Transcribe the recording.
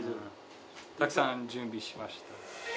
たくさん準備しました。